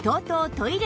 トイレ